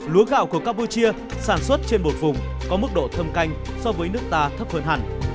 lúa gạo của campuchia sản xuất trên một vùng có mức độ thâm canh so với nước ta thấp hơn hẳn